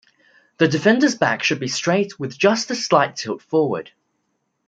The defenders back should be straight with just a slight tilt forward.